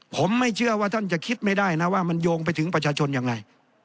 ผมไม่เชื่อว่าท่านจะคิดไม่ได้นะว่ามันโยงไปถึงประชาชนอย่างไร